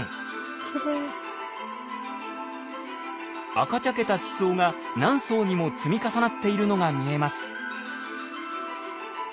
赤茶けた地層が何層にも積み重なっているのが見えます。